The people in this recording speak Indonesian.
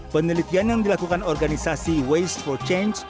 penelitian yang dilakukan organisasi waste for change